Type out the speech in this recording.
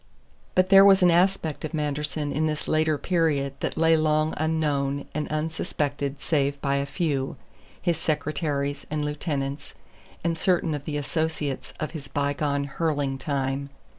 But there was an aspect of Manderson in this later period that lay long unknown and unsuspected save by a few, his secretaries and lieutenants and certain of the associates of his bygone hurling time.